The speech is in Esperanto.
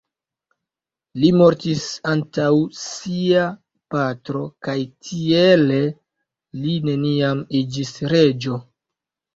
Li mortis antaŭ sia patro kaj tiele li neniam iĝis reĝo.